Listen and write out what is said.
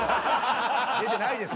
出てないでしょ。